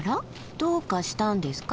どうかしたんですか？